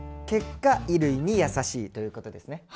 結果衣類にやさしいということですね。